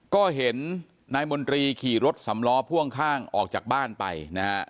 ก็เห็นนายมนตรีขี่รถสำล้อพ่วงข้างออกจากบ้านไปนะฮะ